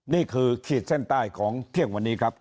ขีดเส้นใต้ของเที่ยงวันนี้ครับ